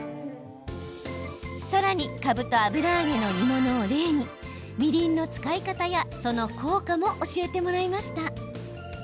さらにかぶと油揚げの煮物を例にみりんの使い方やその効果も教えてもらいました。